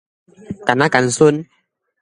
乾仔乾孫